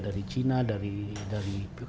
dari china dari